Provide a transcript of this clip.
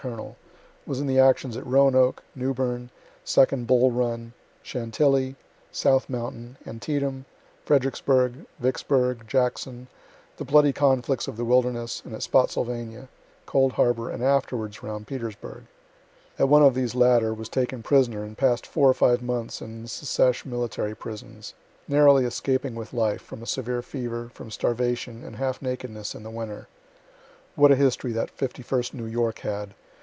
colonel was in the actions at Roanoke, Newbern, 2d Bull Run, Chantilly, South Mountain, Antietam, Fredericksburgh, Vicksburgh, Jackson, the bloody conflicts of the Wilderness, and at Spottsylvania, Cold Harbor, and afterwards around Petersburgh; at one of these latter was taken prisoner, and pass'd four or five months in secesh military prisons, narrowly escaping with life, from a severe fever, from starvation and half nakedness in the winter. (What a history that 51st New York had!